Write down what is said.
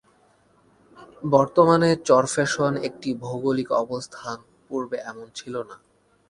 বর্তমানে চরফ্যাশন এর ভৌগোলিক অবস্থান পূর্বে এমন ছিল না।